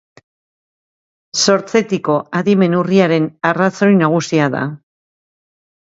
Sortzetiko adimen urriaren arrazoi nagusia da.